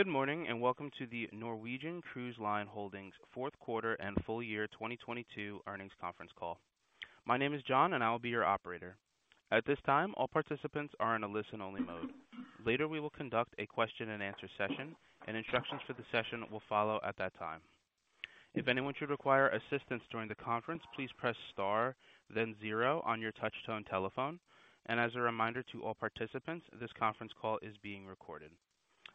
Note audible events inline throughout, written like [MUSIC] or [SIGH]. Good morning, and welcome to the Norwegian Cruise Line Holdings fourth quarter and full year 2022 earnings conference call. My name is John and I will be your operator. At this time, all participants are in a listen only mode. Later, we will conduct a question-and-answer session and instructions for the session will follow at that time. If anyone should require assistance during the conference, please press star then zero on your touch-tone telephone. As a reminder to all participants, this conference call is being recorded.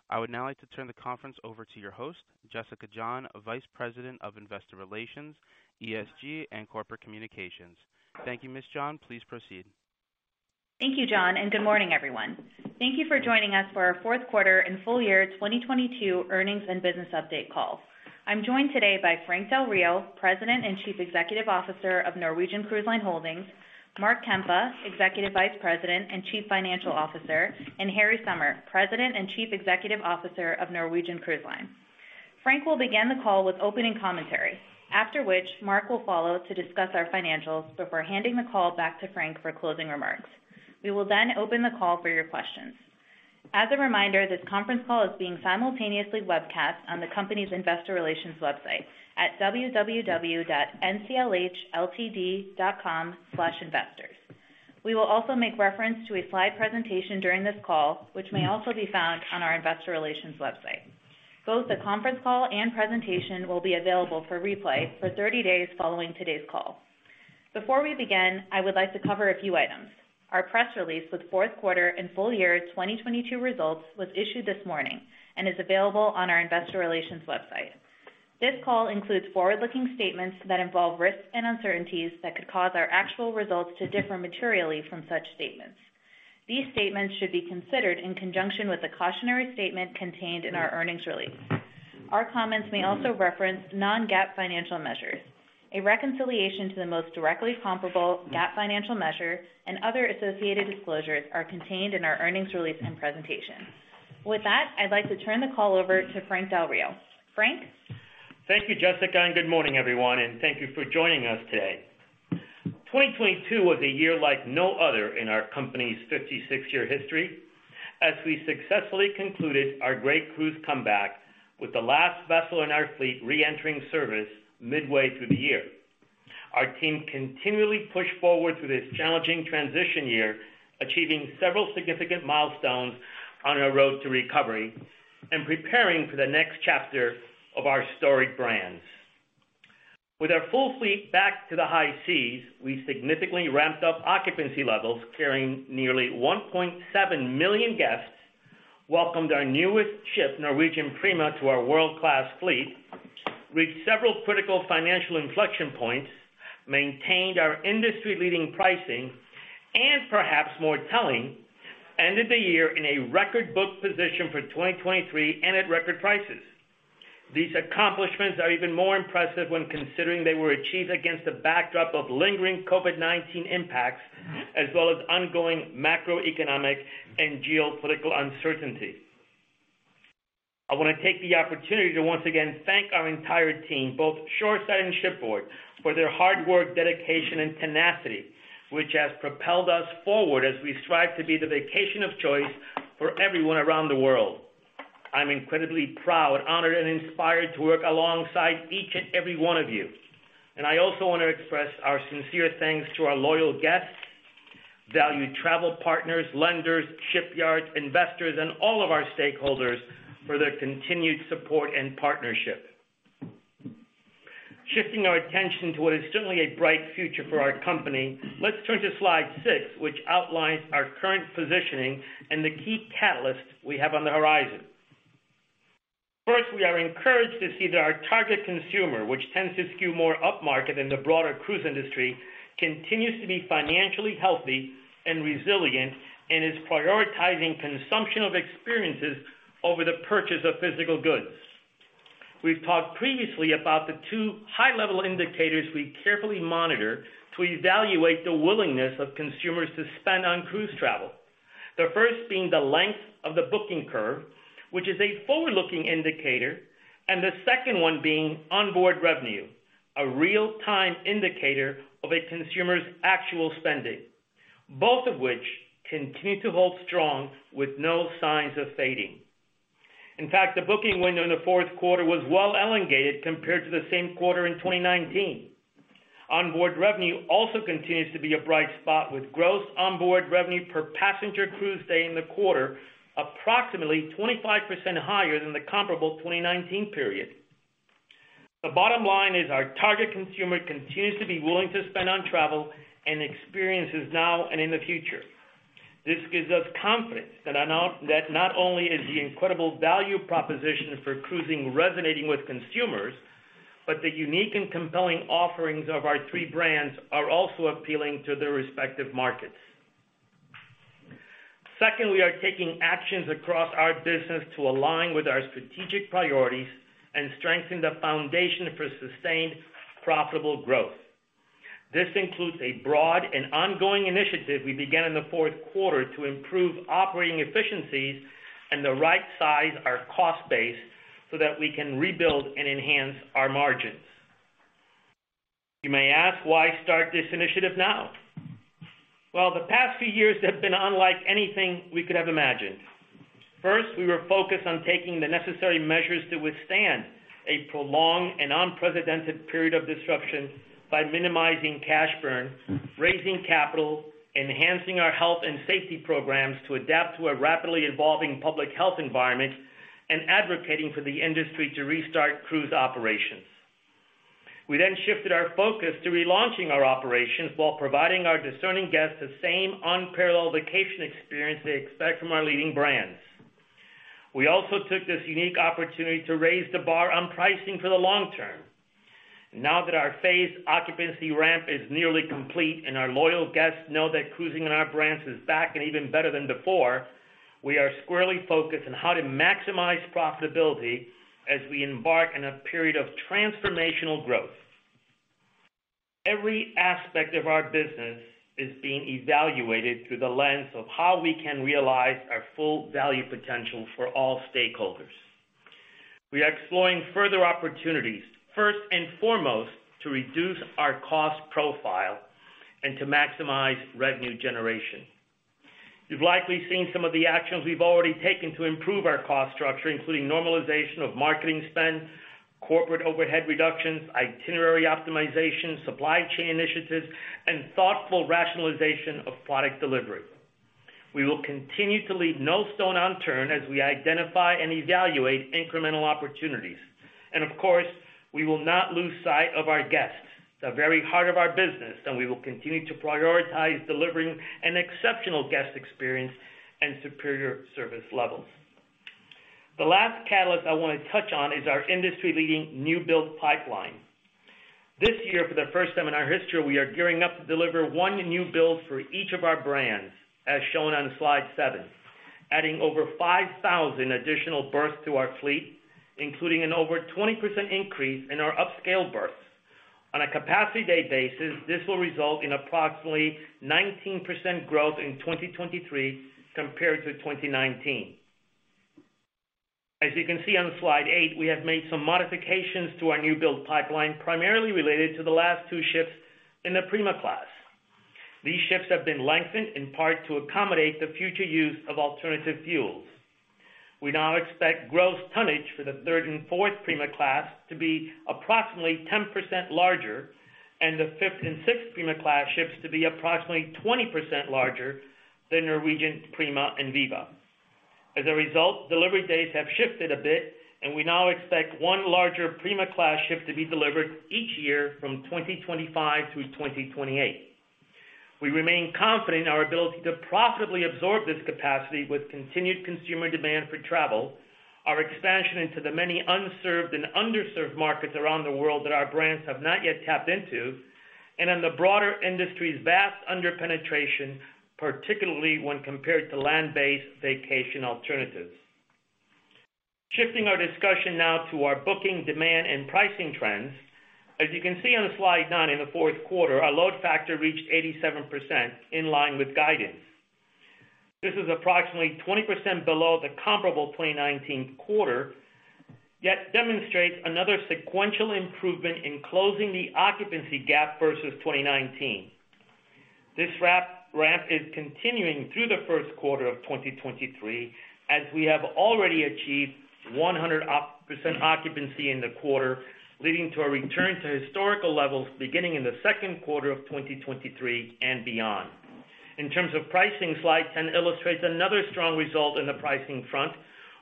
I would now like to turn the conference over to your host, Jessica John, Vice President of Investor Relations, ESG and Corporate Communications. Thank you, Ms. John. Please proceed. Thank you, John, and good morning, everyone. Thank you for joining us for our fourth quarter and full year 2022 earnings and business update call. I'm joined today by Frank Del Rio, President and Chief Executive Officer of Norwegian Cruise Line Holdings, Mark Kempa, Executive Vice President and Chief Financial Officer, and Harry Sommer, President and Chief Executive Officer of Norwegian Cruise Line. Frank will begin the call with opening commentary, after which Mark will follow to discuss our financials before handing the call back to Frank for closing remarks. We will then open the call for your questions. As a reminder, this conference call is being simultaneously webcast on the company's investor relations website at www.nclhltd.com/investors. We will also make reference to a slide presentation during this call, which may also be found on our investor relations website. Both the conference call and presentation will be available for replay for 30 days following today's call. Before we begin, I would like to cover a few items. Our press release with fourth quarter and full year 2022 results was issued this morning and is available on our investor relations website. This call includes forward-looking statements that involve risks and uncertainties that could cause our actual results to differ materially from such statements. These statements should be considered in conjunction with the cautionary statement contained in our earnings release. Our comments may also reference non-GAAP financial measures. A reconciliation to the most directly comparable GAAP financial measure and other associated disclosures are contained in our earnings release and presentation. With that, I'd like to turn the call over to Frank Del Rio. Frank. Thank you, Jessica, and good morning everyone, and thank you for joining us today. 2022 was a year like no other in our company's 56-year history as we successfully concluded our Great Cruise Comeback with the last vessel in our fleet reentering service midway through the year. Our team continually pushed forward through this challenging transition year, achieving several significant milestones on our road to recovery and preparing for the next chapter of our storied brands. With our full fleet back to the high seas, we significantly ramped up occupancy levels carrying nearly 1.7 million guests, welcomed our newest ship, Norwegian Prima, to our world-class fleet, reached several critical financial inflection points, maintained our industry-leading pricing, and perhaps more telling, ended the year in a record book position for 2023 and at record prices. These accomplishments are even more impressive when considering they were achieved against the backdrop of lingering COVID-19 impacts as well as ongoing macroeconomic and geopolitical uncertainty. I want to take the opportunity to once again thank our entire team, both shoreside and shipboard, for their hard work, dedication and tenacity which has propelled us forward as we strive to be the vacation of choice for everyone around the world. I'm incredibly proud, honored, and inspired to work alongside each and every one of you. I also want to express our sincere thanks to our loyal guests, valued travel partners, lenders, shipyards, investors, and all of our stakeholders for their continued support and partnership. Shifting our attention to what is certainly a bright future for our company, let's turn to slide six, which outlines our current positioning and the key catalysts we have on the horizon. We are encouraged to see that our target consumer, which tends to skew more upmarket than the broader cruise industry, continues to be financially healthy and resilient and is prioritizing consumption of experiences over the purchase of physical goods. We've talked previously about the two high-level indicators we carefully monitor to evaluate the willingness of consumers to spend on cruise travel. The first being the length of the booking curve, which is a forward-looking indicator, and the second one being onboard revenue, a real-time indicator of a consumer's actual spending, both of which continue to hold strong with no signs of fading. In fact, the booking window in the fourth quarter was well elongated compared to the same quarter in 2019. Onboard revenue also continues to be a bright spot with gross onboard revenue per passenger cruise day in the quarter approximately 25% higher than the comparable 2019 period. The bottom line is our target consumer continues to be willing to spend on travel and experiences now and in the future. This gives us confidence that not only is the incredible value proposition for cruising resonating with consumers, but the unique and compelling offerings of our three brands are also appealing to their respective markets. Second, we are taking actions across our business to align with our strategic priorities and strengthen the foundation for sustained profitable growth. This includes a broad and ongoing initiative we began in the fourth quarter to improve operating efficiencies and the right size our cost base so that we can rebuild and enhance our margins. You may ask, why start this initiative now? The past few years have been unlike anything we could have imagined. First, we were focused on taking the necessary measures to withstand a prolonged and unprecedented period of disruption by minimizing cash burn, raising capital, enhancing our health and safety programs to adapt to a rapidly evolving public health environment, and advocating for the industry to restart cruise operations. We shifted our focus to relaunching our operations while providing our discerning guests the same unparalleled vacation experience they expect from our leading brands. We also took this unique opportunity to raise the bar on pricing for the long term. Now that our phased occupancy ramp is nearly complete, and our loyal guests know that cruising on our brands is back and even better than before, we are squarely focused on how to maximize profitability as we embark on a period of transformational growth. Every aspect of our business is being evaluated through the lens of how we can realize our full value potential for all stakeholders. We are exploring further opportunities, first and foremost, to reduce our cost profile and to maximize revenue generation. You've likely seen some of the actions we've already taken to improve our cost structure, including normalization of marketing spend, corporate overhead reductions, itinerary optimization, supply chain initiatives, and thoughtful rationalization of product delivery. We will continue to leave no stone unturned as we identify and evaluate incremental opportunities. Of course, we will not lose sight of our guests, the very heart of our business, and we will continue to prioritize delivering an exceptional guest experience and superior service levels. The last catalyst I wanna touch on is our industry-leading new build pipeline. This year, for the first time in our history, we are gearing up to deliver one new build for each of our brands, as shown on Slide 7, adding over 5,000 additional berths to our fleet, including an over 20% increase in our upscale berths. On a Capacity Day basis, this will result in approximately 19% growth in 2023 compared to 2019. As you can see on Slide eight, we have made some modifications to our new build pipeline, primarily related to the last two ships in the Prima Class. These ships have been lengthened, in part to accommodate the future use of alternative fuels. We now expect gross tonnage for the third and fourth Prima Class to be approximately 10% larger, and the fifth and sixth Prima Class ships to be approximately 20% larger than Norwegian Prima and Viva. As a result, delivery dates have shifted a bit. We now expect one larger Prima Class ship to be delivered each year from 2025 through 2028. We remain confident in our ability to profitably absorb this capacity with continued consumer demand for travel, our expansion into the many unserved and underserved markets around the world that our brands have not yet tapped into, and on the broader industry's vast under-penetration, particularly when compared to land-based vacation alternatives. Shifting our discussion now to our booking demand and pricing trends. As you can see on Slide nine, in the fourth quarter, our load factor reached 87% in line with guidance. This is approximately 20% below the comparable 2019 quarter, yet demonstrates another sequential improvement in closing the occupancy gap versus 2019. This ramp is continuing through the first quarter of 2023, as we have already achieved 100% occupancy in the quarter, leading to a return to historical levels beginning in the second quarter of 2023 and beyond. In terms of pricing, Slide 10 illustrates another strong result in the pricing front,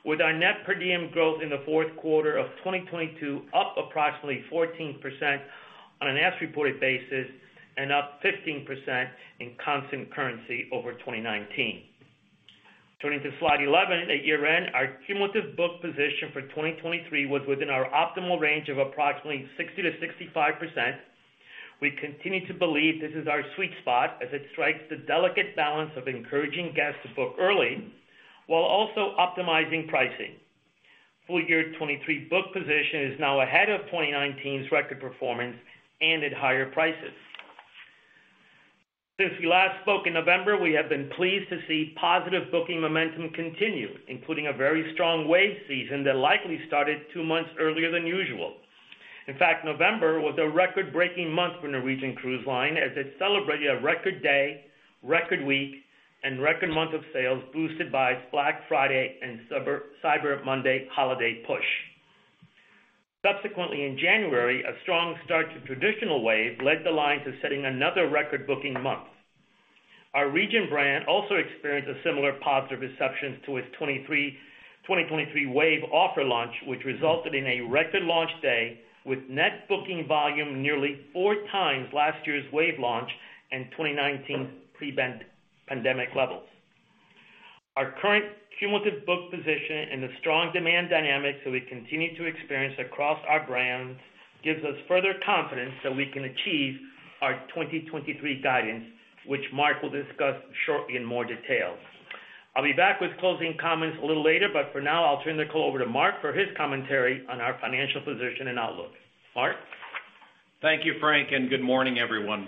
with our Net Per Diem growth in the fourth quarter of 2022 up approximately 14% on an as-reported basis and up 15% in constant currency over 2019. Turning to Slide 11, at year-end, our cumulative book position for 2023 was within our optimal range of approximately 60%-65%. We continue to believe this is our sweet spot as it strikes the delicate balance of encouraging guests to book early while also optimizing pricing. Full year 2023 book position is now ahead of 2019's record performance and at higher prices. Since we last spoke in November, we have been pleased to see positive booking momentum continue, including a very strong wave season that likely started two-months earlier than usual. In fact, November was a record-breaking month for Norwegian Cruise Line as it celebrated a record day, record week, and record month of sales boosted by Black Friday and Cyber Monday holiday push. Subsequently, in January, a strong start to traditional wave led the line to setting another record booking month. Our Regent brand also experienced a similar positive reception to its 2023 wave offer launch, which resulted in a record launch day with net booking volume nearly four times last year's wave launch and 2019 pre-pandemic levels. Our current cumulative book position and the strong demand dynamics that we continue to experience across our brands gives us further confidence that we can achieve our 2023 guidance, which Mark will discuss shortly in more detail. I'll be back with closing comments a little later, but for now I'll turn the call over to Mark for his commentary on our financial position and outlook. Mark? Thank you, Frank, and good morning, everyone.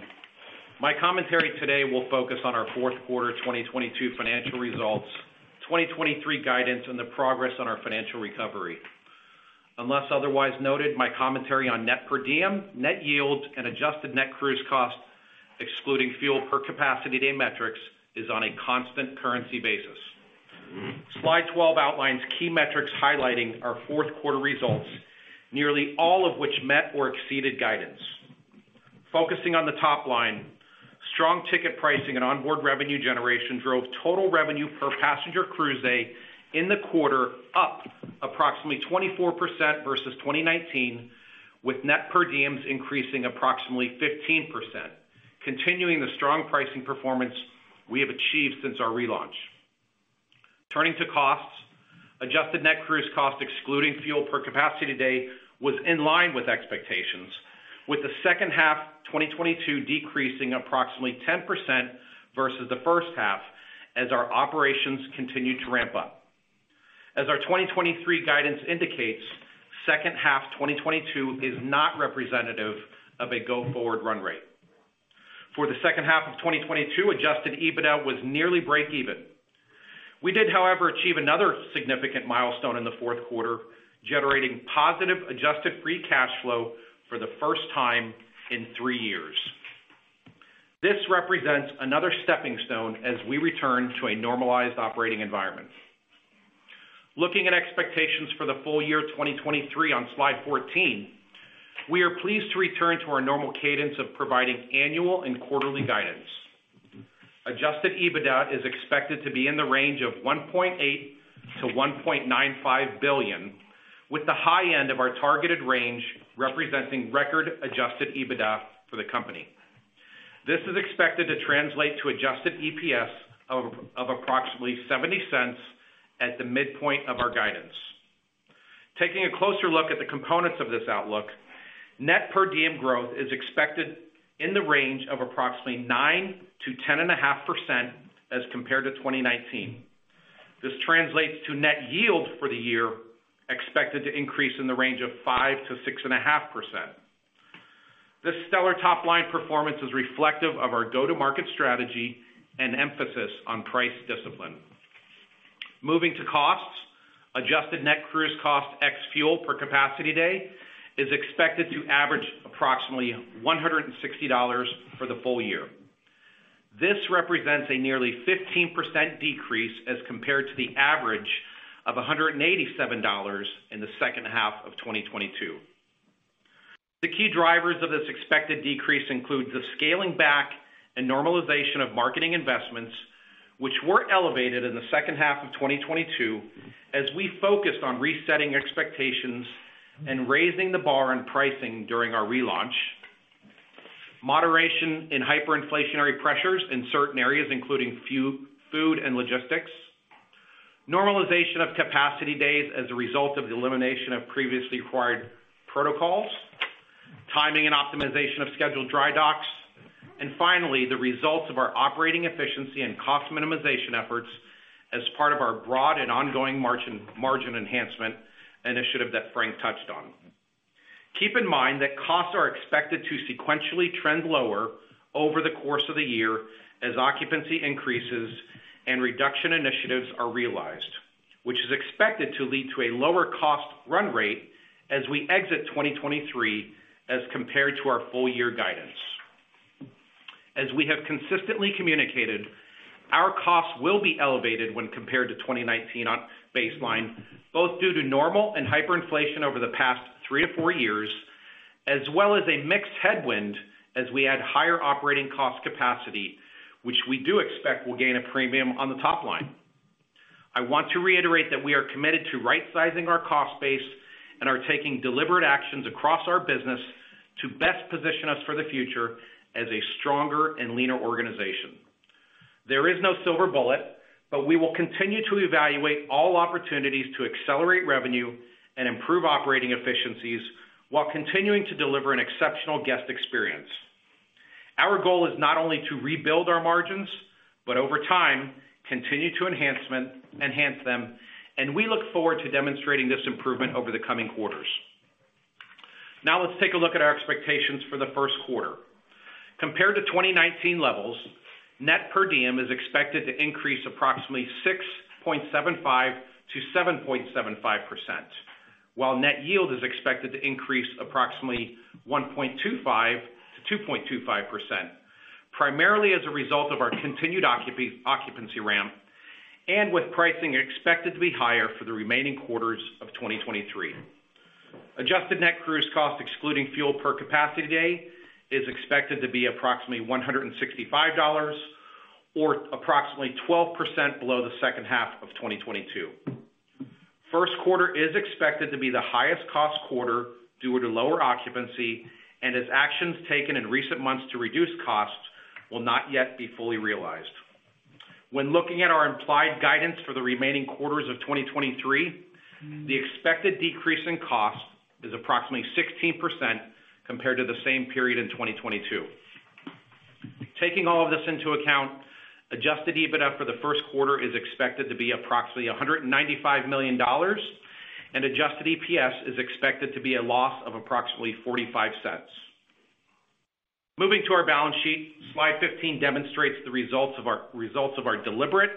My commentary today will focus on our fourth quarter 2022 financial results, 2023 guidance, and the progress on our financial recovery. Unless otherwise noted, my commentary on Net Per Diem, Net Yield, and Adjusted Net Cruise Cost excluding Fuel per Capacity Day metrics, is on a constant currency basis. Slide 12 outlines key metrics highlighting our fourth quarter results, nearly all of which met or exceeded guidance. Focusing on the top line, strong ticket pricing and onboard revenue generation drove total revenue per passenger cruise day in the quarter, up approximately 24% versus 2019, with Net Per Diems increasing approximately 15%, continuing the strong pricing performance we have achieved since our relaunch. Turning to costs, Adjusted Net Cruise Cost excluding Fuel per Capacity Day was in line with expectations, with the second half 2022 decreasing approximately 10% versus the first half as our operations continued to ramp up. Our 2023 guidance indicates, second half 2022 is not representative of a go-forward run rate. For the second half of 2022, Adjusted EBITDA was nearly breakeven. We did, however, achieve another significant milestone in the fourth quarter, generating positive Adjusted Free Cash Flow for the first time in three years. This represents another stepping stone as we return to a normalized operating environment. Looking at expectations for the full year 2023 on slide 14, we are pleased to return to our normal cadence of providing annual and quarterly guidance. Adjusted EBITDA is expected to be in the range of $1.8 billion-$1.95 billion, with the high end of our targeted range representing record Adjusted EBITDA for the company. This is expected to translate to Adjusted EPS of approximately $0.70 at the midpoint of our guidance. Taking a closer look at the components of this outlook, Net Per Diem growth is expected in the range of approximately 9%-10.5% as compared to 2019. This translates to Net Yield for the year expected to increase in the range of 5%-6.5%. This stellar top-line performance is reflective of our go-to-market strategy and emphasis on price discipline. Moving to costs, Adjusted Net Cruise Cost excluding Fuel per Capacity Day is expected to average approximately $160 for the full year. This represents a nearly 15% decrease as compared to the average of $187 in the second half of 2022. The key drivers of this expected decrease include the scaling back and normalization of marketing investments, which were elevated in the second half of 2022 as we focused on resetting expectations and raising the bar on pricing during our relaunch. Moderation in hyperinflationary pressures in certain areas, including food and logistics. Normalization of Capacity Days as a result of the elimination of previously acquired protocols. Timing and optimization of scheduled dry docks. Finally, the results of our operating efficiency and cost minimization efforts as part of our broad and ongoing margin enhancement initiative that Frank touched on. Keep in mind that costs are expected to sequentially trend lower over the course of the year as occupancy increases and reduction initiatives are realized, which is expected to lead to a lower cost run rate as we exit 2023 as compared to our full year guidance. As we have consistently communicated, our costs will be elevated when compared to 2019 on baseline, both due to normal and hyperinflation over the past 3 to 4 years, as well as a mixed headwind as we add higher operating cost capacity, which we do expect will gain a premium on the top line. I want to reiterate that we are committed to right-sizing our cost base and are taking deliberate actions across our business to best position us for the future as a stronger and leaner organization. There is no silver bullet. We will continue to evaluate all opportunities to accelerate revenue and improve operating efficiencies while continuing to deliver an exceptional guest experience. Our goal is not only to rebuild our margins, but over time, continue to enhance them, and we look forward to demonstrating this improvement over the coming quarters. Let's take a look at our expectations for the first quarter. Compared to 2019 levels, Net Per Diem is expected to increase approximately 6.75%-7.75%, while Net Yield is expected to increase approximately 1.25%-2.25%, primarily as a result of our continued occupancy ramp and with pricing expected to be higher for the remaining quarters of 2023. Adjusted Net Cruise Cost excluding Fuel per Capacity Day is expected to be approximately $165 or approximately 12% below the second half of 2022. First quarter is expected to be the highest cost quarter due to lower occupancy. As actions taken in recent months to reduce costs will not yet be fully realized. When looking at our implied guidance for the remaining quarters of 2023, the expected decrease in cost is approximately 16% compared to the same period in 2022. Taking all of this into account, Adjusted EBITDA for the first quarter is expected to be approximately $195 million. Adjusted EPS is expected to be a loss of approximately $0.45. Moving to our balance sheet. Slide 15 demonstrates the results of our deliberate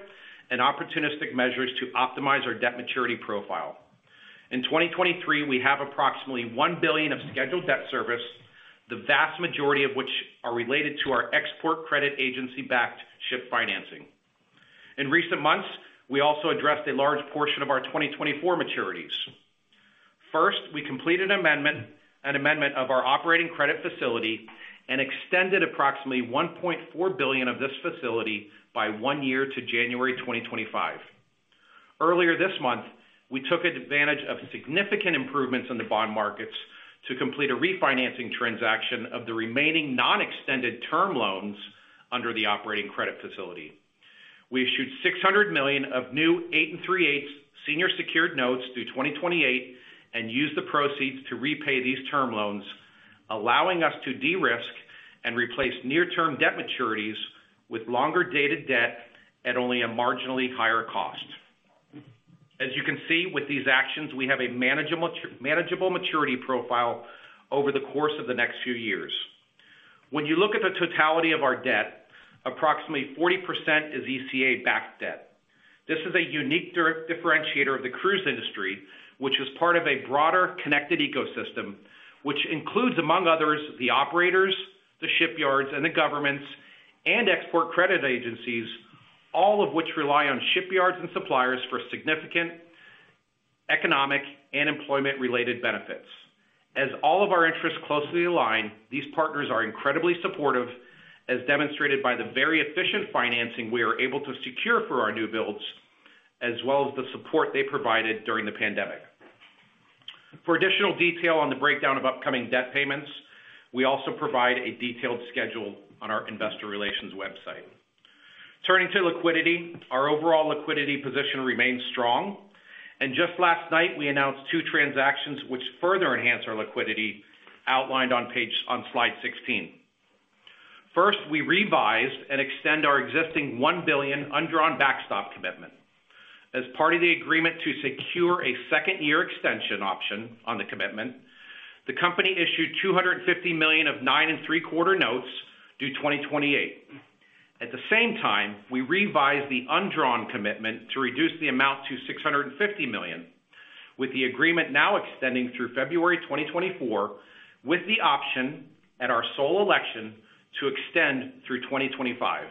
and opportunistic measures to optimize our debt maturity profile. In 2023, we have approximately $1 billion of scheduled debt service, the vast majority of which are related to our export credit agency-backed ship financing. In recent months, we also addressed a large portion of our 2024 maturities. First, we completed an amendment of our operating credit facility and extended approximately $1.4 billion of this facility by one year to January 2025. Earlier this month, we took advantage of significant improvements in the bond markets to complete a refinancing transaction of the remaining non-extended term loans under the operating credit facility. We issued $600 million of new 8 and three-eighths senior secured notes through 2028 and used the proceeds to repay these term loans, allowing us to de-risk and replace near-term debt maturities with longer-dated debt at only a marginally higher cost. As you can see with these actions, we have a manageable maturity profile over the course of the next few years. You look at the totality of our debt, approximately 40% is ECA-backed debt. This is a unique differentiator of the cruise industry, which is part of a broader connected ecosystem, which includes, among others, the operators, the shipyards, and the governments and export credit agencies, all of which rely on shipyards and suppliers for significant economic and employment-related benefits. All of our interests closely align, these partners are incredibly supportive, as demonstrated by the very efficient financing we are able to secure for our new builds, as well as the support they provided during the pandemic. For additional detail on the breakdown of upcoming debt payments, we also provide a detailed schedule on our investor relations website. Turning to liquidity, our overall liquidity position remains strong. Just last night, we announced two transactions which further enhance our liquidity outlined on slide 16. First, we revised and extend our existing $1 billion undrawn backstop commitment. As part of the agreement to secure a second-year extension option on the commitment, the company issued $250 million of 9.75% notes due 2028. At the same time, we revised the undrawn commitment to reduce the amount to $650 million, with the agreement now extending through February 2024, with the option at our sole election to extend through 2025.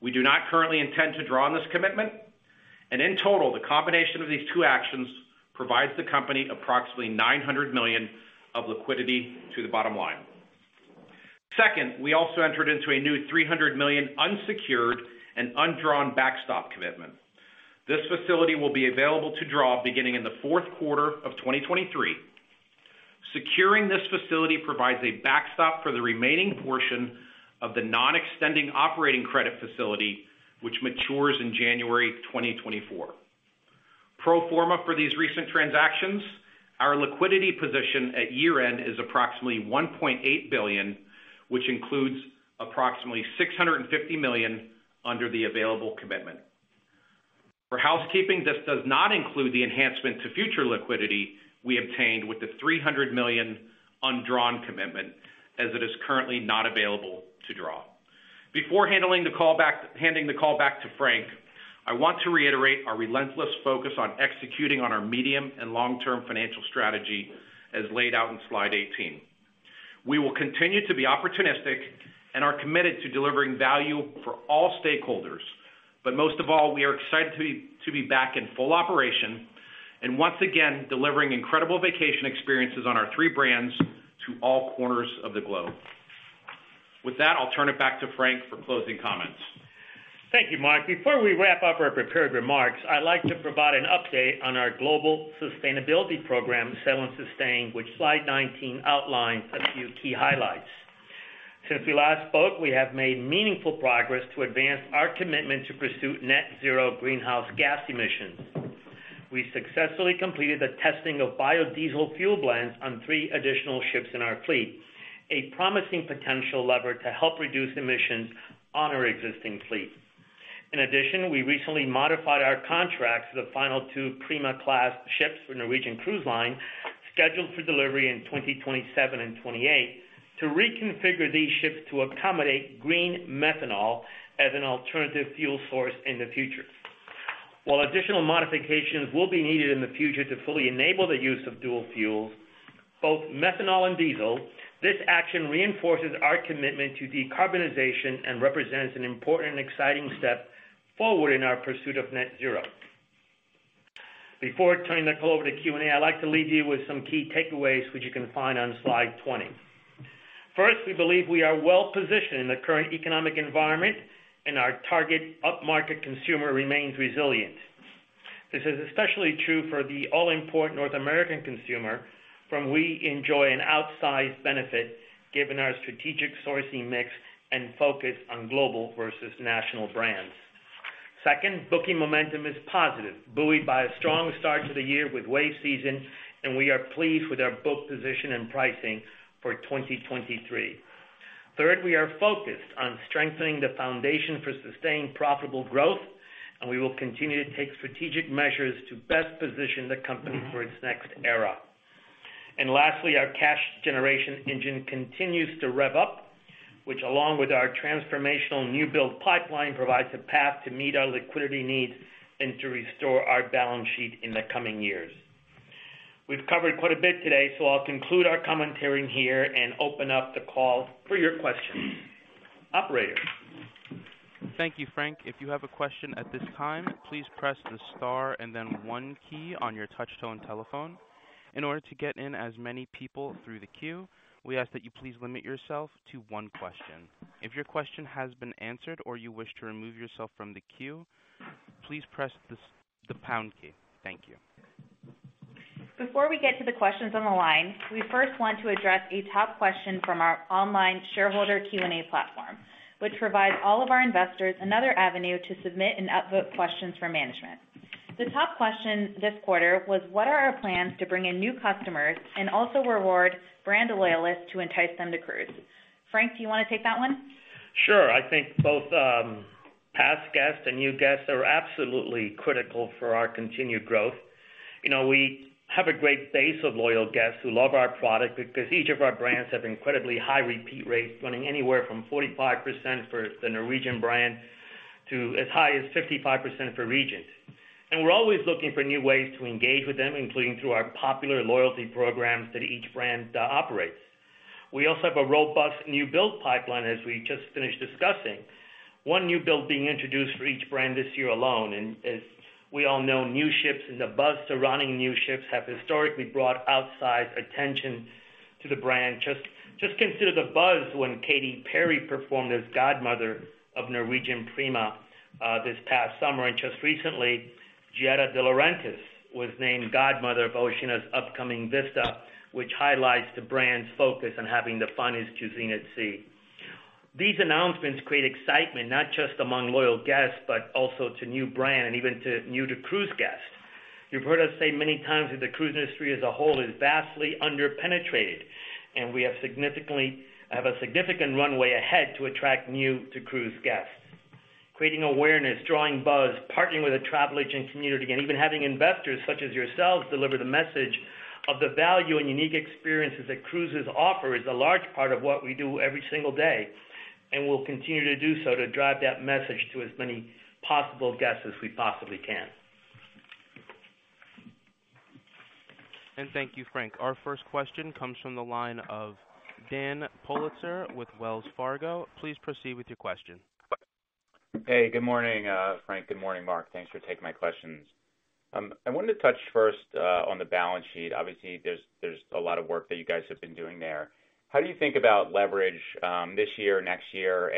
We do not currently intend to draw on this commitment. In total, the combination of these two actions provides the company approximately $900 million of liquidity to the bottom line. Second, we also entered into a new $300 million unsecured and undrawn backstop commitment. This facility will be available to draw beginning in the fourth quarter of 2023. Securing this facility provides a backstop for the remaining portion of the non-extending operating credit facility, which matures in January 2024. Pro forma for these recent transactions, our liquidity position at year-end is approximately $1.8 billion, which includes approximately $650 million under the available commitment. For housekeeping, this does not include the enhancement to future liquidity we obtained with the $300 million undrawn commitment, as it is currently not available to draw. Before handing the call back to Frank, I want to reiterate our relentless focus on executing on our medium and long-term financial strategy as laid out in slide 18. We will continue to be opportunistic and are committed to delivering value for all stakeholders. Most of all, we are excited to be back in full operation and once again delivering incredible vacation experiences on our three brands to all corners of the globe. With that, I'll turn it back to Frank for closing comments. Thank you, Mark. Before we wrap up our prepared remarks, I'd like to provide an update on our global sustainability program, Sail & Sustain, which slide 19 outlines a few key highlights. Since we last spoke, we have made meaningful progress to advance our commitment to pursue net zero greenhouse gas emissions. We successfully completed the testing of biodiesel fuel blends on three additional ships in our fleet, a promising potential lever to help reduce emissions on our existing fleet. In addition, we recently modified our contracts for the final two Prima Class ships for Norwegian Cruise Line, scheduled for delivery in 2027 and 2028, to reconfigure these ships to accommodate green methanol as an alternative fuel source in the future. While additional modifications will be needed in the future to fully enable the use of dual fuels, both methanol and diesel, this action reinforces our commitment to decarbonization and represents an important and exciting step forward in our pursuit of net zero. Before turning the call over to Q&A, I'd like to leave you with some key takeaways which you can find on slide 20. First, we believe we are well-positioned in the current economic environment, and our target upmarket consumer remains resilient. This is especially true for the all-important North American consumer, from we enjoy an outsized benefit given our strategic sourcing mix and focus on global versus national brands. Second, booking momentum is positive, buoyed by a strong start to the year with wave season, and we are pleased with our book position and pricing for 2023. Third, we are focused on strengthening the foundation for sustained profitable growth, and we will continue to take strategic measures to best position the company for its next era. Lastly, our cash generation engine continues to rev up, which along with our transformational new build pipeline, provides a path to meet our liquidity needs and to restore our balance sheet in the coming years. We've covered quite a bit today, so I'll conclude our commentary here and open up the call for your questions. Operator? Thank you, Frank. If you have a question at this time, please press the star and then one key on your touchtone telephone. In order to get in as many people through the queue, we ask that you please limit yourself to one question. If your question has been answered or you wish to remove yourself from the queue, please press the pound key. Thank you. Before we get to the questions on the line, we first want to address a top question from our online shareholder Q&A platform, which provides all of our investors another avenue to submit and upvote questions for management. The top question this quarter was: What are our plans to bring in new customers and also reward brand loyalists to entice them to cruise? Frank, do you wanna take that one? Sure. I think both past guests and new guests are absolutely critical for our continued growth. You know, we have a great base of loyal guests who love our product because each of our brands have incredibly high repeat rates, running anywhere from 45% for the Norwegian brand to as high as 55% for Regent. We're always looking for new ways to engage with them, including through our popular loyalty programs that each brand operates. We also have a robust new build pipeline, as we just finished discussing, one new build being introduced for each brand this year alone. As we all know, new ships and the buzz surrounding new ships have historically brought outside attention to the brand. Just consider the buzz when Katy Perry performed as godmother of Norwegian Prima this past summer. Just recently, Giada De Laurentiis was named godmother of Oceania's upcoming Vista, which highlights the brand's focus on having the finest cuisine at sea. These announcements create excitement not just among loyal guests, but also to new brand and even to new-to-cruise guests. You've heard us say many times that the cruise industry as a whole is vastly under-penetrated. We have a significant runway ahead to attract new-to-cruise guests. Creating awareness, drawing buzz, partnering with a travel agent community, and even having investors such as yourselves deliver the message of the value and unique experiences that cruises offer is a large part of what we do every single day. We'll continue to do so to drive that message to as many possible guests as we possibly can. Thank you, Frank. Our first question comes from the line of Daniel Politzer with Wells Fargo. Please proceed with your question. Hey, good morning, Frank. Good morning, Mark. Thanks for taking my questions. I wanted to touch first on the balance sheet. Obviously, there's a lot of work that you guys have been doing there. How do you think about leverage this year, next year?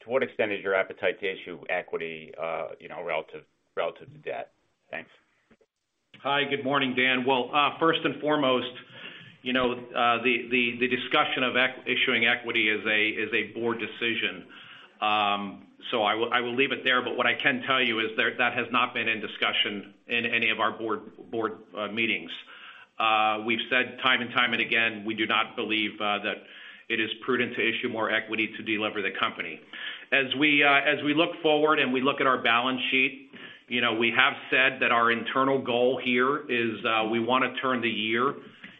To what extent is your appetite to issue equity relative to debt? Thanks. Hi. Good morning, Dan. Well, first and foremost, you know, the discussion of issuing equity is a board decision. I will leave it there. What I can tell you is that has not been in discussion in any of our board meetings. We've said time and time and again, we do not believe that it is prudent to issue more equity to deliver the company. As we look forward, we look at our balance sheet, you know, we have said that our internal goal here is we wanna turn the year,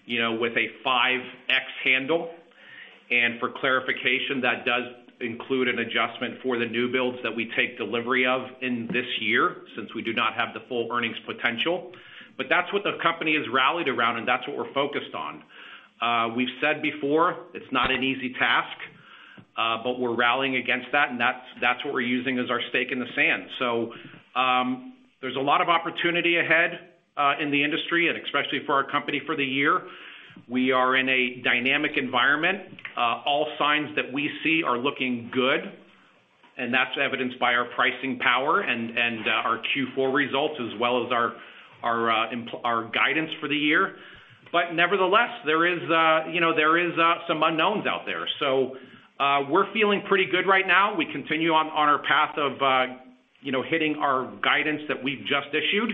you know, with a 5x handle. For clarification, that does include an adjustment for the new builds that we take delivery of in this year, since we do not have the full earnings potential. That's what the company has rallied around, and that's what we're focused on. We've said before, it's not an easy task, but we're rallying against that, and that's what we're using as our stake in the sand. There's a lot of opportunity ahead in the industry and especially for our company for the year. We are in a dynamic environment. All signs that we see are looking good, and that's evidenced by our pricing power and our Q4 results as well as our guidance for the year. Nevertheless, there is, you know, there is some unknowns out there. We're feeling pretty good right now. We continue on our path of, you know, hitting our guidance that we've just issued.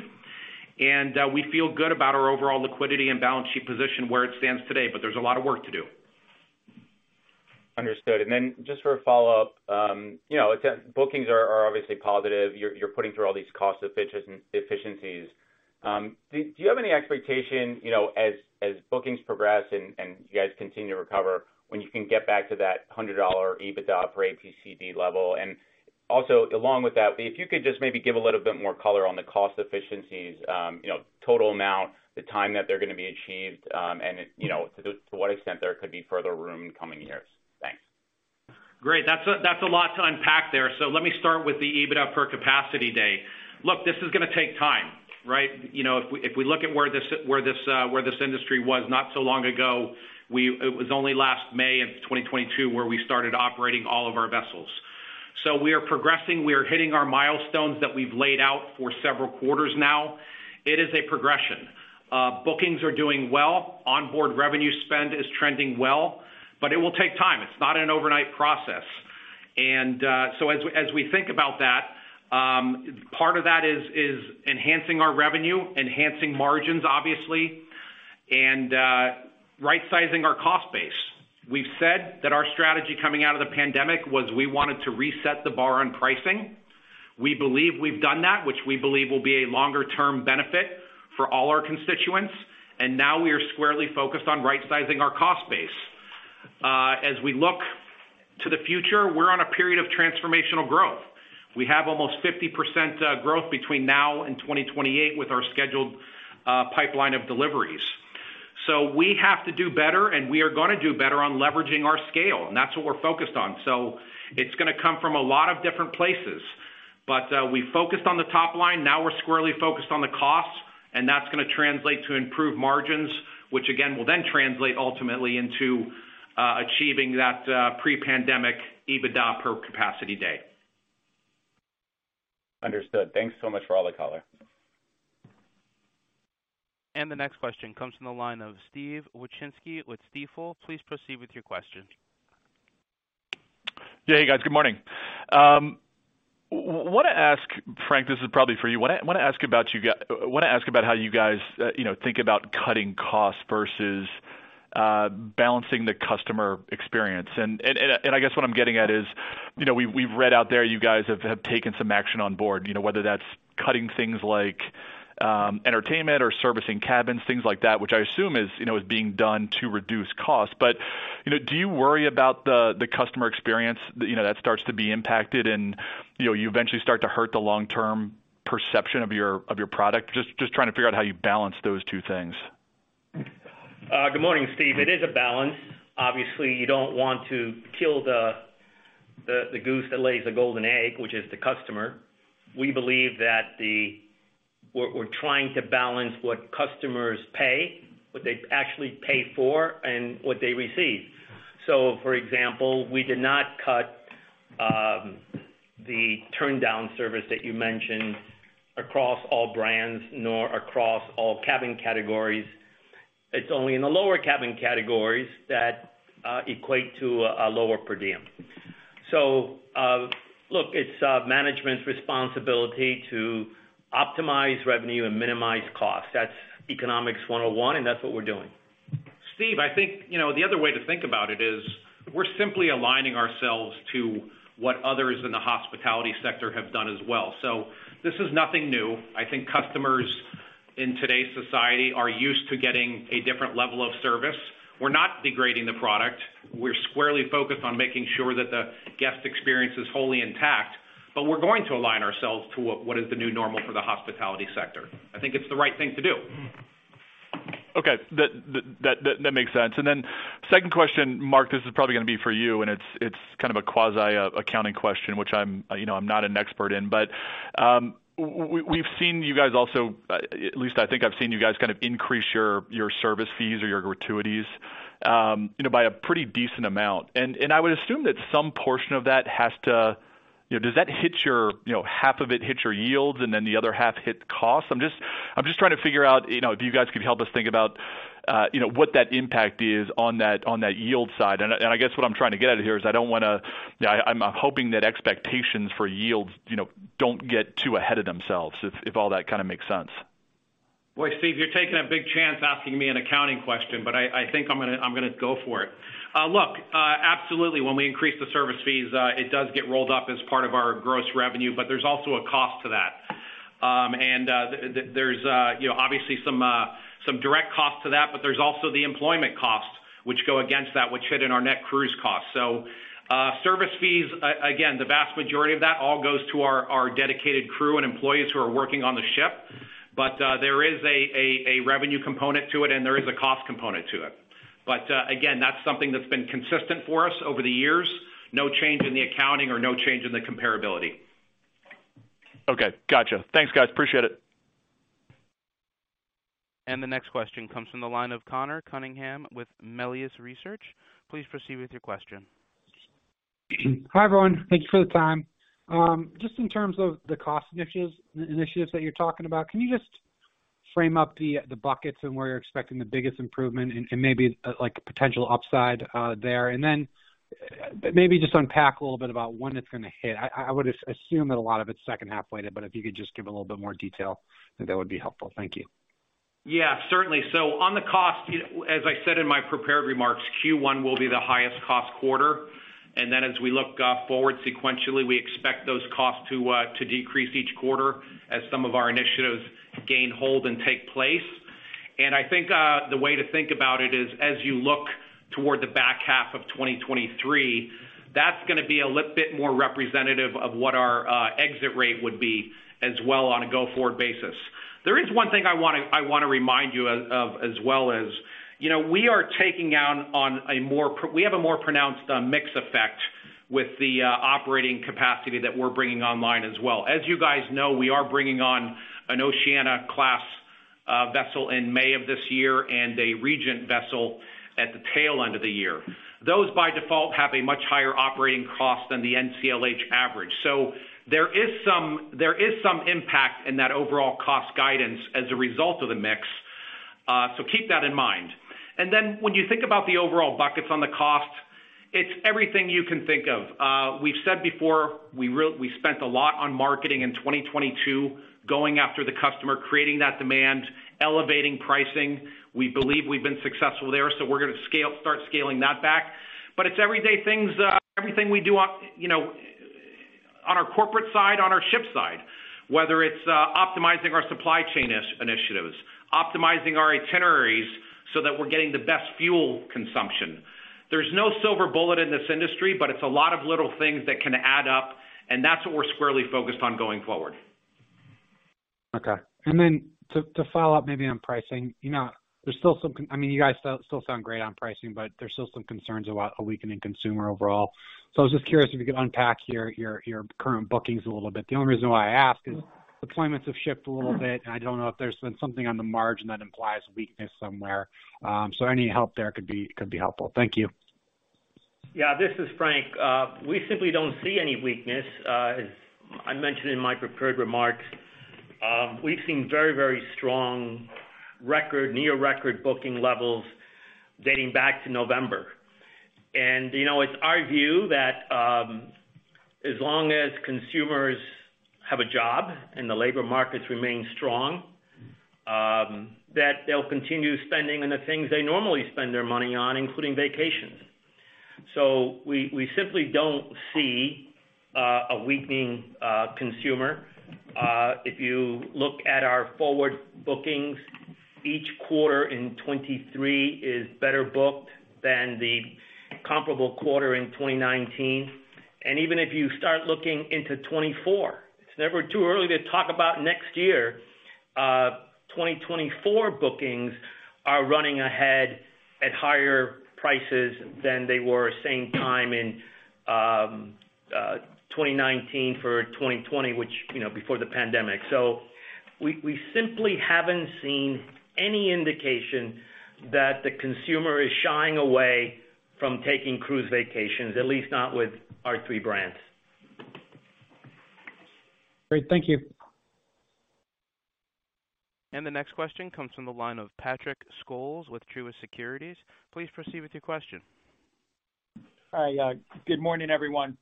We feel good about our overall liquidity and balance sheet position where it stands today, but there's a lot of work to do. Understood. Just for a follow-up, you know, bookings are obviously positive. You're putting through all these cost efficiencies. Do you have any expectation, you know, as bookings progress and you guys continue to recover, when you can get back to that $100 EBITDA per PCD level? Also along with that, if you could just maybe give a little bit more color on the cost efficiencies, you know, total amount, the time that they're gonna be achieved, and, you know, to what extent there could be further room in coming years. Thanks. Great. That's a lot to unpack there. Let me start with the EBITDA per Capacity Day. Look, this is gonna take time, right? You know, if we look at where this industry was not so long ago, it was only last May of 2022 where we started operating all of our vessels. We are progressing. We are hitting our milestones that we've laid out for several quarters now. It is a progression. Bookings are doing well. Onboard revenue spend is trending well. It will take time. It's not an overnight process. As we think about that, part of that is enhancing our revenue, enhancing margins obviously, and rightsizing our cost base. We've said that our strategy coming out of the pandemic was we wanted to reset the bar on pricing. We believe we've done that, which we believe will be a longer term benefit for all our constituents. Now we are squarely focused on rightsizing our cost base. As we look to the future, we're on a period of transformational growth. We have almost 50% growth between now and 2028 with our scheduled pipeline of deliveries. We have to do better, and we are gonna do better on leveraging our scale, and that's what we're focused on. It's gonna come from a lot of different places. We focused on the top line, now we're squarely focused on the cost, and that's gonna translate to improved margins, which again will then translate ultimately into achieving that pre-pandemic EBITDA per Capacity Day. Understood. Thanks so much for all the color. The next question comes from the line of Steven Wieczynski with Stifel. Please proceed with your question. Yeah. Hey, guys, good morning. Wanna ask, Frank, this is probably for you. Wanna ask about you guys, you know, think about cutting costs versus balancing the customer experience. And I guess what I'm getting at is, you know, we've read out there, you guys have taken some action on board, you know, whether that's cutting things like entertainment or servicing cabins, things like that, which I assume is, you know, is being done to reduce costs. You know, do you worry about the customer experience, you know, that starts to be impacted and, you know, you eventually start to hurt the long-term perception of your product? Just trying to figure out how you balance those two things. Good morning, Steve. It is a balance. Obviously, you don't want to kill the goose that lays the golden egg, which is the customer. We believe that the—we're trying to balance what customers pay, what they actually pay for, and what they receive. For example, we did not cut the turndown service that you mentioned across all brands nor across all cabin categories. It's only in the lower cabin categories that equate to a lower per diem. Look, it's management's responsibility to optimize revenue and minimize costs. That's economics 101. That's what we're doing. Steve, I think, you know, the other way to think about it is we're simply aligning ourselves to what others in the hospitality sector have done as well. This is nothing new. I think customers in today's society are used to getting a different level of service. We're not degrading the product. We're squarely focused on making sure that the guest experience is wholly intact, we're going to align ourselves to what is the new normal for the hospitality sector. I think it's the right thing to do. Okay. That makes sense. Second question, Mark, this is probably gonna be for you, and it's kind of a quasi accounting question, which I'm, you know, I'm not an expert in. We've seen you guys also, at least I think I've seen you guys kind of increase your service fees or your gratuities, you know, by a pretty decent amount. I would assume that some portion of that has to—you know, does that hit your, you know, half of it hits your yields and then the other half hit costs? I'm just, I'm just trying to figure out, you know, if you guys could help us think about, you know, what that impact is on that, on that yield side. I guess what I'm trying to get at here is I don't wanna. You know, I'm hoping that expectations for yields, you know, don't get too ahead of themselves, if all that kinda makes sense. Well, Steve, you're taking a big chance asking me an accounting question, but I think I'm gonna go for it. Look, absolutely. When we increase the service fees, it does get rolled up as part of our gross revenue, but there's also a cost to that. There's, you know, obviously some direct cost to that, but there's also the employment costs which go against that, which hit in our Net Cruise Cost. Service fees, again, the vast majority of that all goes to our dedicated crew and employees who are working on the ship. There is a revenue component to it, and there is a cost component to it. Again, that's something that's been consistent for us over the years. No change in the accounting or no change in the comparability. Okay. Gotcha. Thanks, guys. Appreciate it. The next question comes from the line of Conor Cunningham with Melius Research. Please proceed with your question. Hi, everyone. Thank you for the time. just in terms of the cost initiatives that you're talking about, can you just frame up the buckets and where you're expecting the biggest improvement and maybe like potential upside there? Then maybe just unpack a little bit about when it's gonna hit. I would assume that a lot of it's second half weighted, but if you could just give a little bit more detail, that would be helpful. Thank you. Yeah, certainly. On the cost, you know, as I said in my prepared remarks, Q1 will be the highest cost quarter. Then as we look forward sequentially, we expect those costs to decrease each quarter as some of our initiatives gain hold and take place. I think the way to think about it is, as you look toward the back half of 2023, that's gonna be a little bit more representative of what our exit rate would be as well on a go-forward basis. There is one thing I wanna, I wanna remind you of, as well as, you know, we are taking out on a more we have a more pronounced mix effect with the operating capacity that we're bringing online as well. As you guys know, we are bringing on an Oceania-class vessel in May of this year and a Regent vessel at the tail end of the year. Those, by default, have a much higher operating cost than the NCLH average. There is some impact in that overall cost guidance as a result of the mix. Keep that in mind. When you think about the overall buckets on the cost, it's everything you can think of. We've said before, we spent a lot on marketing in 2022, going after the customer, creating that demand, elevating pricing. We believe we've been successful there, so we're gonna start scaling that back. It's everyday things, everything we do you know, on our corporate side, on our ship side, whether it's optimizing our supply chain initiatives, optimizing our itineraries so that we're getting the best fuel consumption. There's no silver bullet in this industry, but it's a lot of little things that can add up, and that's what we're squarely focused on going forward. Okay. Then to follow up maybe on pricing, you know, there's still some I mean, you guys still sound great on pricing, but there's still some concerns about a weakening consumer overall. I was just curious if you could unpack your current bookings a little bit. The only reason why I ask is deployments have shifted a little bit, and I don't know if there's been something on the margin that implies weakness somewhere. Any help there could be helpful. Thank you. This is Frank. We simply don't see any weakness. As I mentioned in my prepared remarks, we've seen very, very strong record- near-record booking levels dating back to November. You know, it's our view that, as long as consumers have a job and the labor markets remain strong, that they'll continue spending on the things they normally spend their money on, including vacations. We simply don't see a weakening consumer. If you look at our forward bookings, each quarter in 2023 is better booked than the comparable quarter in 2019. Even if you start looking into 2024, it's never too early to talk about next year. 2024 bookings are running ahead at higher prices than they were same time in 2019 for 2020, which, you know, before the pandemic. We simply haven't seen any indication that the consumer is shying away from taking cruise vacations, at least not with our three brands. Great. Thank you. The next question comes from the line of Patrick Scholes with Truist Securities. Please proceed with your question. Hi. Good morning, everyone.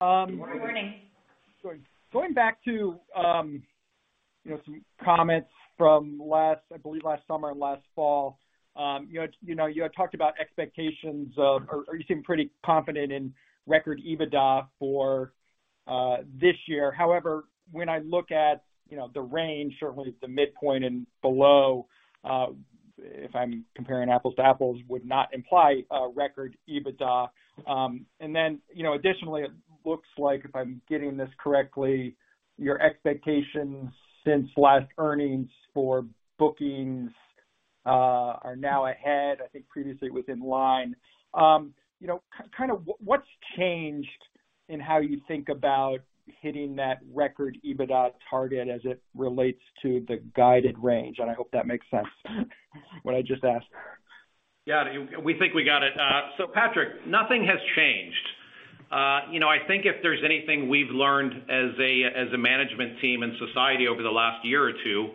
Good morning. Going back to, you know, some comments from last, I believe last summer and last fall, you know, you had talked about expectations of, or you seem pretty confident in record EBITDA for this year. When I look at, you know, the range, certainly the midpoint and below, if I'm comparing apples to apples, would not imply a record EBITDA. You know, additionally, it looks like, if I'm getting this correctly, your expectations since last earnings for bookings are now ahead. I think previously it was in line. You know, kind of what's changed in how you think about hitting that record EBITDA target as it relates to the guided range? I hope that makes sense what I just asked. Yeah. We think we got it. Patrick, nothing has changed. You know, I think if there's anything we've learned as a management team and society over the last year or two,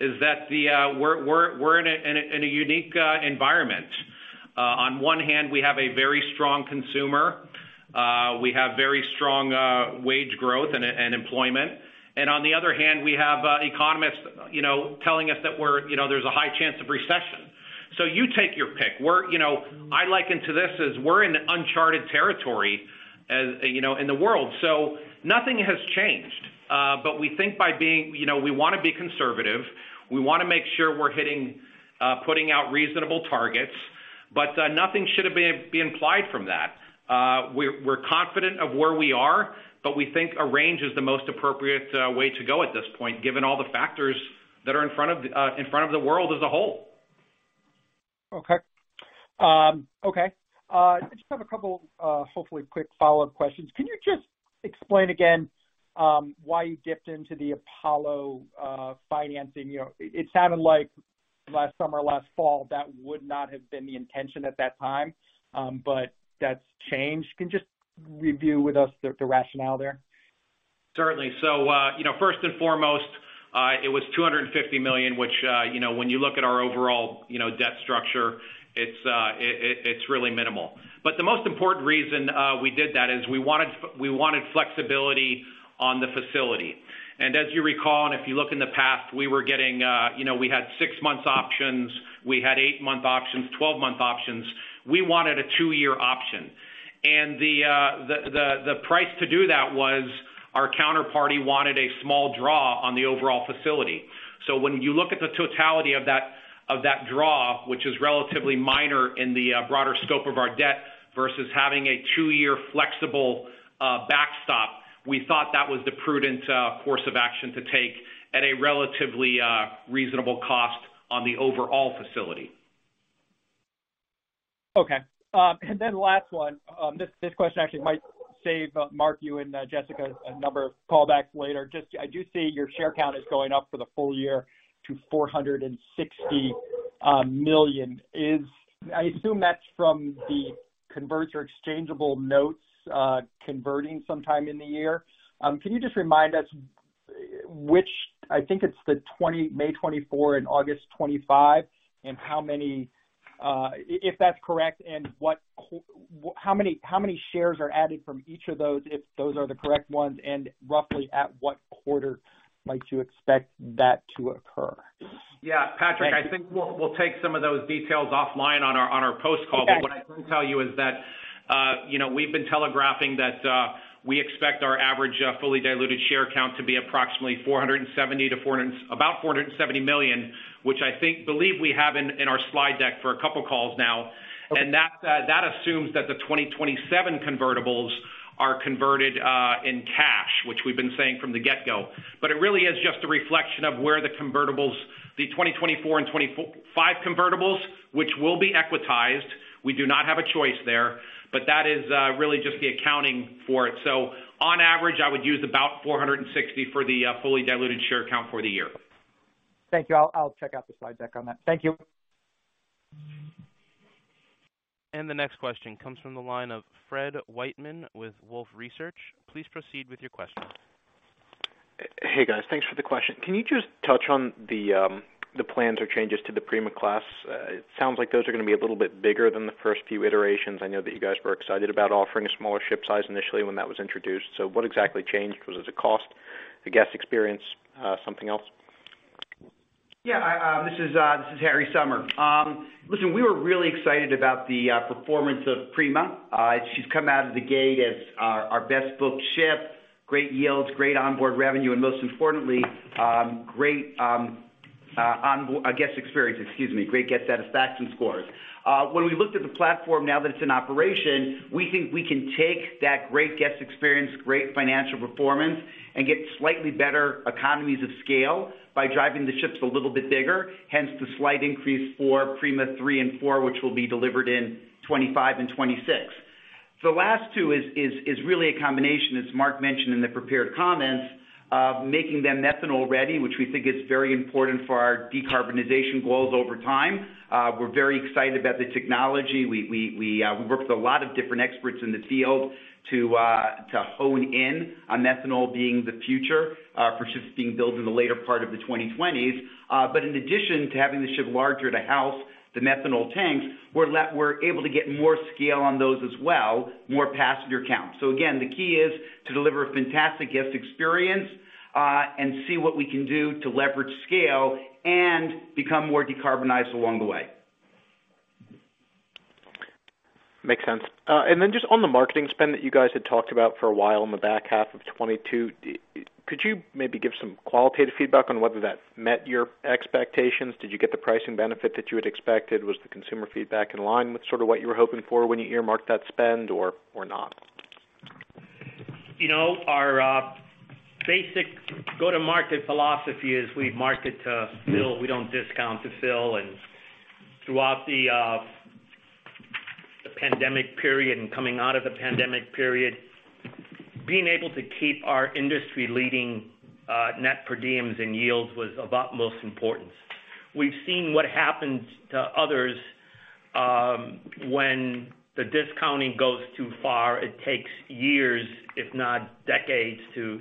is that we're in a unique environment. On one hand, we have a very strong consumer. We have very strong wage growth and employment. On the other hand, we have economists telling us that there's a high chance of recession. You take your pick. We're—I liken to this as we're in uncharted territory, you know, in the world. Nothing has changed. We think by being, you know, we wanna be conservative. We wanna make sure we're hitting, putting out reasonable targets. Nothing should be implied from that. We're confident of where we are, but we think a range is the most appropriate way to go at this point, given all the factors that are in front of the world as a whole. Okay. Okay. I just have a couple, hopefully quick follow-up questions. Can you just explain again, why you dipped into the Apollo financing? You know, it sounded like last summer or last fall, that would not have been the intention at that time, but that's changed. Can you just review with us the rationale there? Certainly. you know, first and foremost, it was $250 million, which, you know, when you look at our overall, you know, debt structure, it's really minimal. The most important reason, we did that is we wanted flexibility on the facility. As you recall, and if you look in the past, we were getting, you know, we had six-months options, we had eight-month options, 12-month options. We wanted a 2-year option. The price to do that was our counterparty wanted a small draw on the overall facility. When you look at the totality of that, of that draw, which is relatively minor in the broader scope of our debt versus having a two-year flexible backstop, we thought that was the prudent course of action to take at a relatively reasonable cost on the overall facility. Okay. Last one. This question actually might save, Mark, you and Jessica, a number of callbacks later. Just I do see your share count is going up for the full year to 460 million. I assume that's from the converts or exchangeable notes, converting sometime in the year. Can you just remind us which—I think it's the May 2024 and August 2025, and how many if that's correct, and how many shares are added from each of those, if those are the correct ones, and roughly at what quarter might you expect that to occur? Yeah. [CROSSTALK] Thank [CROSSTALK] you. Patrick, I think we'll take some of those details offline on our post call. Okay. What I can tell you is that, you know, we've been telegraphing that, we expect our average, fully diluted share count to be approximately about 470 million, which I believe we have in our slide deck for a couple of calls now. Okay. That assumes that the 2027 convertibles are converted in cash, which we've been saying from the get-go. It really is just a reflection of where the convertibles, the 2024 and 2025 convertibles, which will be equitized. We do not have a choice there, but that is really just the accounting for it. On average, I would use about 460 for the fully diluted share count for the year. Thank you. I'll check out the slide deck on that. Thank you. The next question comes from the line of Fred Wightman with Wolfe Research. Please proceed with your question. Hey, guys. Thanks for the question. Can you just touch on the plans or changes to the Prima Class? It sounds like those are gonna be a little bit bigger than the first few iterations. I know that you guys were excited about offering a smaller ship size initially when that was introduced. What exactly changed? Was it the cost, the guest experience, something else? Yeah. This is Harry Sommer. Listen, we were really excited about the performance of Prima. She's come out of the gate as our best booked ship, great yields, great onboard revenue, and most importantly, great guest experience, excuse me. Great guest satisfaction scores. When we looked at the platform now that it's in operation, we think we can take that great guest experience, great financial performance, and get slightly better economies of scale by driving the ships a little bit bigger, hence the slight increase for Prima 3 and 4, which will be delivered in 2025 and 2026. The last two is really a combination, as Mark mentioned in the prepared comments, of making them methanol ready, which we think is very important for our decarbonization goals over time. We're very excited about the technology. We worked with a lot of different experts in the field to hone in on methanol being the future for ships being built in the later part of the 2020s. In addition to having the ship larger to house the methanol tanks, we're able to get more scale on those as well, more passenger count. Again, the key is to deliver a fantastic guest experience and see what we can do to leverage scale and become more decarbonized along the way. Makes sense. Just on the marketing spend that you guys had talked about for a while in the back half of 2022, could you maybe give some qualitative feedback on whether that met your expectations? Did you get the pricing benefit that you had expected? Was the consumer feedback in line with sort of what you were hoping for when you earmarked that spend or not? You know, our basic go-to-market philosophy is we market to fill, we don't discount to fill. Throughout the pandemic period and coming out of the pandemic period, being able to keep our industry-leading net per diems and yields was of utmost importance. We've seen what happened to others, when the discounting goes too far. It takes years, if not decades, to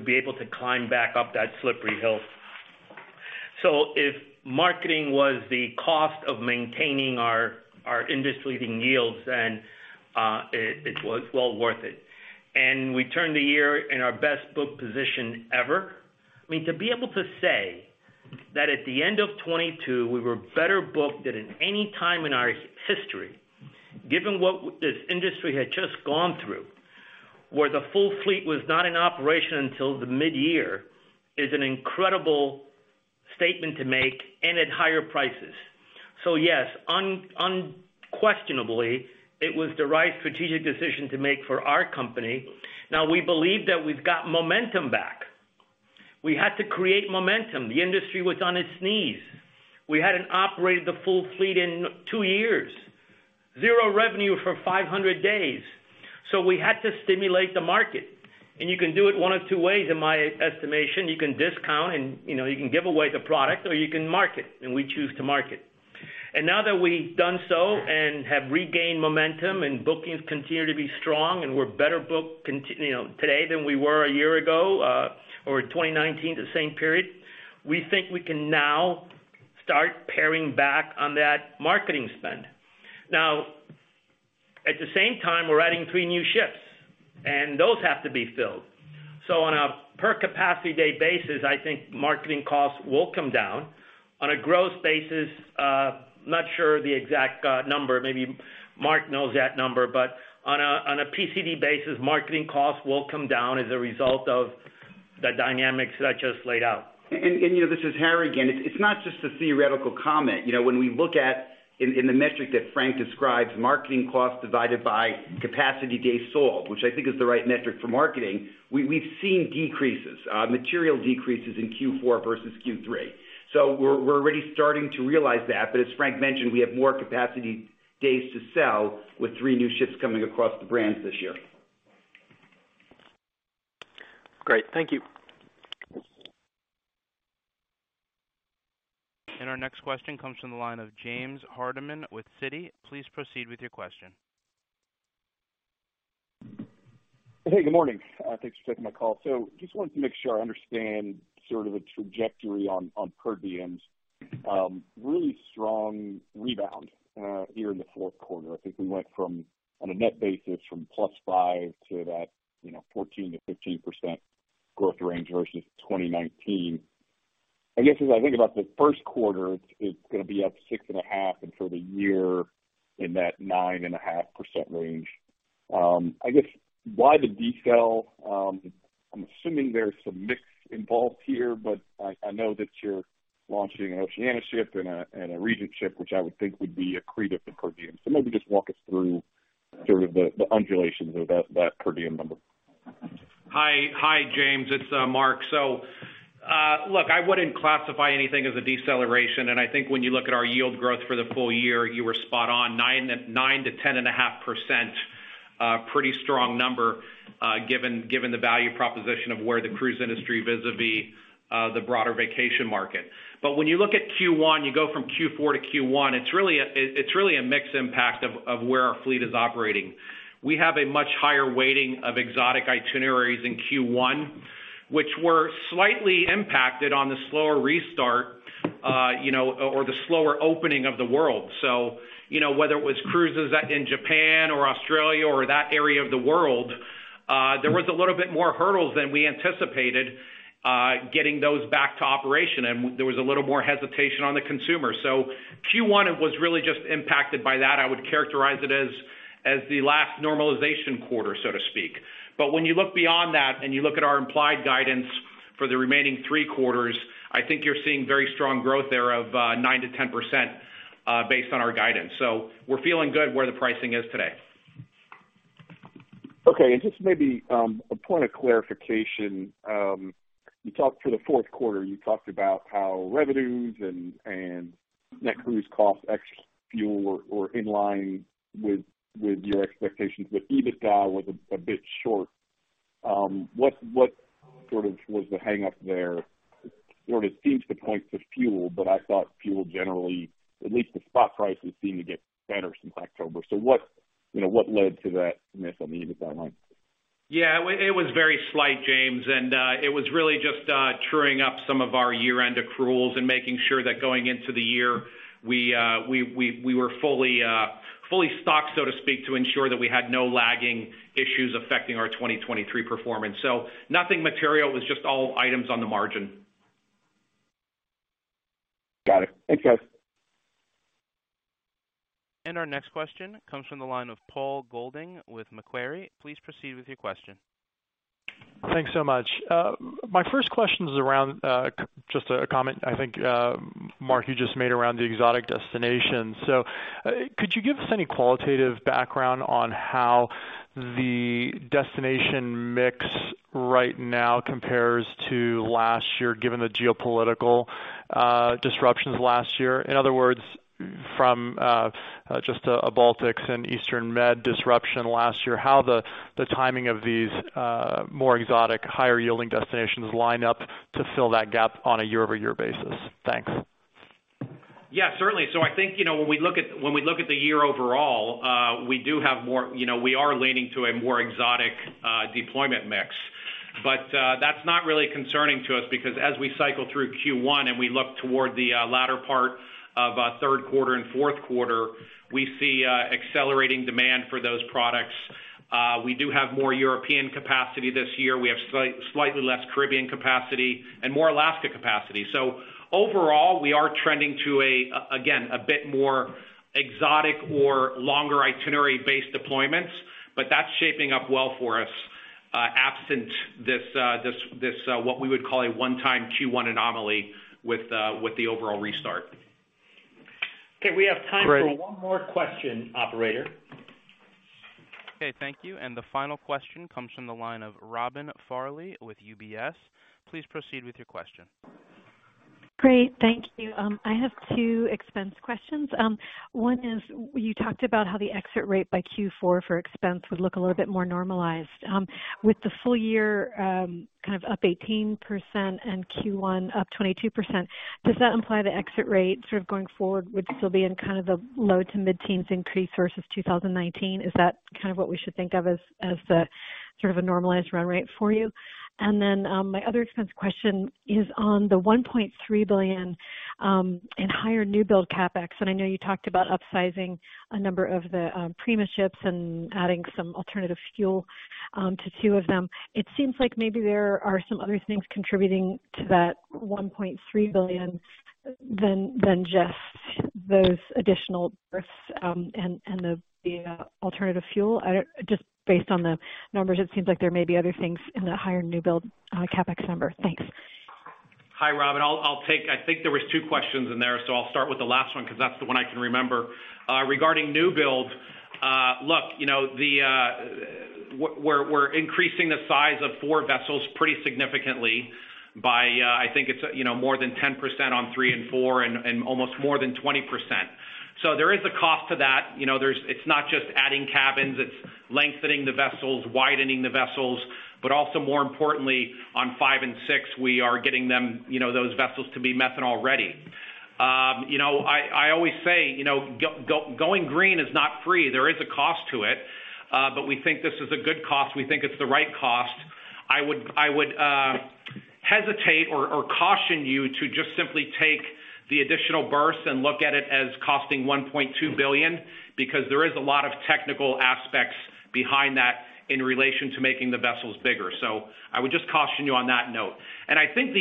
be able to climb back up that slippery hill. If marketing was the cost of maintaining our industry-leading yields, then it's well worth it. We turned the year in our best book position ever. I mean, to be able to say that at the end of 2022, we were better booked than in any time in our history, given what this industry had just gone through, where the full fleet was not in operation until the mid-year, is an incredible statement to make and at higher prices. Yes, unquestionably, it was the right strategic decision to make for our company. Now, we believe that we've got momentum back. We had to create momentum. The industry was on its knees. We hadn't operated the full fleet in 2 years. Zero revenue for 500 days. We had to stimulate the market. You can do it one of two ways, in my estimation. You can discount and, you know, you can give away the product, or you can market, and we choose to market. Now that we've done so and have regained momentum and bookings continue to be strong and we're better booked, you know, today than we were a year ago, or 2019, the same period, we think we can now start paring back on that marketing spend. At the same time, we're adding three new ships, and those have to be filled. On a per Capacity Day basis, I think marketing costs will come down. On a growth basis, not sure the exact number. Maybe Mark knows that number. On a PCD basis, marketing costs will come down as a result of the dynamics that I just laid out. You know, this is Harry again. It's not just a theoretical comment. You know, when we look at in the metric that Frank describes, marketing costs divided by capacity days sold, which I think is the right metric for marketing, we've seen decreases, material decreases in Q4 versus Q3. We're already starting to realize that. As Frank mentioned, we have more capacity days to sell with three new ships coming across the brands this year. Great. Thank you. Our next question comes from the line of James Hardiman with Citi. Please proceed with your question. Hey, good morning. Thanks for taking my call. Just wanted to make sure I understand sort of the trajectory on per diems. Really strong rebound here in the fourth quarter. I think we went from, on a net basis, from +5% to that, you know, 14%-15% growth range versus 2019. I guess, as I think about the first quarter, it's gonna be up 6.5%, and for the year in that 9.5% range. I guess why the deceleration? I'm assuming there's some mix involved here, but I know that you're launching an Oceania ship and a Regent ship, which I would think would be accretive to per diem. Maybe just walk us through sort of the undulations of that per diem number. Hi, James. It's Mark. Look, I wouldn't classify anything as a deceleration. I think when you look at our yield growth for the full year, you were spot on 9%-10.5%. Pretty strong number, given the value proposition of where the cruise industry vis-à-vis the broader vacation market. When you look at Q1, you go from Q4-Q1, it's really a mix impact of where our fleet is operating. We have a much higher weighting of exotic itineraries in Q1, which were slightly impacted on the slower restart, you know, or the slower opening of the world. You know, whether it was cruises at, in Japan or Australia or that area of the world, there was a little bit more hurdles than we anticipated, getting those back to operation. There was a little more hesitation on the consumer. Q1 was really just impacted by that. I would characterize it as the last normalization quarter, so to speak. When you look beyond that and you look at our implied guidance for the remaining three quarters, I think you're seeing very strong growth there of, 9%-10%, based on our guidance. We're feeling good where the pricing is today. Okay. Just maybe a point of clarification. You talked for the fourth quarter, you talked about how revenues and Net Cruise Costs, ex fuel were in line with your expectations, but EBITDA was a bit short. What sort of was the hang up there? It sort of seems to point to fuel, but I thought fuel generally, at least the spot prices seem to get better since October. What, you know, what led to that miss on the EBITDA line? Yeah, it was very slight, James. It was really just truing up some of our year-end accruals and making sure that going into the year, we were fully stocked, so to speak, to ensure that we had no lagging issues affecting our 2023 performance. Nothing material. It was just all items on the margin. Got it. Thanks, guys. Our next question comes from the line of Paul Golding with Macquarie. Please proceed with your question. Thanks so much. My first question is around just a comment I think, Mark, you just made around the exotic destinations. Could you give us any qualitative background on how the destination mix right now compares to last year, given the geopolitical disruptions last year? In other words, from just Baltics and Eastern Med disruption last year, how the timing of these more exotic, higher-yielding destinations line up to fill that gap on a year-over-year basis? Thanks. Yeah, certainly. I think, you know, when we look at, when we look at the year overall, we do have more, you know, we are leaning to a more exotic deployment mix. That's not really concerning to us because as we cycle through Q1 and we look toward the latter part of third quarter and fourth quarter, we see accelerating demand for those products. We do have more European capacity this year. We have slightly less Caribbean capacity and more Alaska capacity. Overall, we are trending to again, a bit more exotic or longer itinerary-based deployments, but that's shaping up well for us, absent this, what we would call a one-time Q1 anomaly with the overall restart. Okay. We have [CROSSTALK] time for one more question, operator. Okay, thank you. The final question comes from the line of Robin Farley with UBS. Please proceed with your question. Great, thank you. I have 2 expense questions. One is you talked about how the exit rate by Q4 for expense would look a little bit more normalized. With the full year, kind of up 18% and Q1 up 22%, does that imply the exit rate sort of going forward would still be in kind of the low to mid-teens increase versus 2019? Is that kind of what we should think of as the sort of a normalized run rate for you? My other expense question is on the $1.3 billion in higher new build CapEx. I know you talked about upsizing a number of the Prima ships and adding some alternative fuel to two of them. It seems like maybe there are some other things contributing to that $1.3 billion than just those additional berths and the alternative fuel. Just based on the numbers, it seems like there may be other things in the higher new build CapEx number. Thanks. Hi, Robin. I'll take, I think there was two questions in there, so I'll start with the last one because that's the one I can remember. Regarding new build, look, you know, the We're increasing the size of four vessels pretty significantly by, I think it's, you know, more than 10% on three and four and almost more than 20%. There is a cost to that. You know, it's not just adding cabins, it's lengthening the vessels, widening the vessels. Also more importantly, on five and six, we are getting them, you know, those vessels to be methanol ready. You know, I always say, you know, going green is not free. There is a cost to it. We think this is a good cost. We think it's the right cost. I would hesitate or caution you to just simply take the additional berths and look at it as costing $1.2 billion, because there is a lot of technical aspects behind that in relation to making the vessels bigger. I would just caution you on that note. I think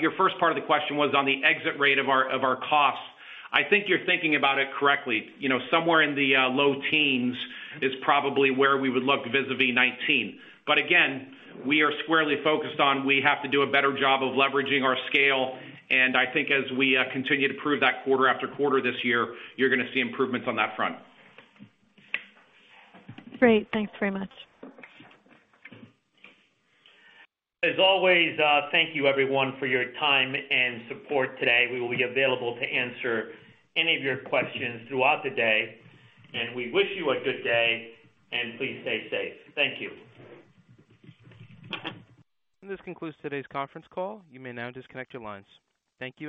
your first part of the question was on the exit rate of our costs. I think you're thinking about it correctly. You know, somewhere in the low teens is probably where we would look vis-a-vis 2019. Again, we are squarely focused on we have to do a better job of leveraging our scale. I think as we continue to prove that quarter after quarter this year, you're gonna see improvements on that front. Great. Thanks very much. As always, thank you everyone for your time and support today. We will be available to answer any of your questions throughout the day. We wish you a good day. Please stay safe. Thank you. This concludes today's conference call. You may now disconnect your lines. Thank you.